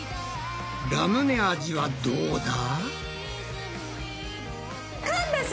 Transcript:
ラムネ味はどうだ？